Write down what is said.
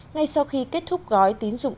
ngay sau khi kết thúc gói tín dụng